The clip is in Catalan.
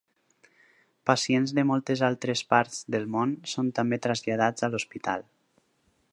Pacients de moltes altres parts del mon són també traslladats a l'hospital.